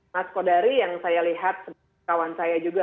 mas kodari yang saya lihat kawan saya juga